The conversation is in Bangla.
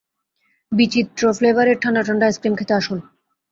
বিচিত্র ফ্লেভারের ঠাণ্ডা ঠাণ্ডা আইসক্রিম খেতে আসুন।